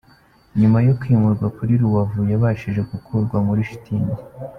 Nyuma yo kwimurwa kuri Rubavu, yabashije gukurwa muri shitingi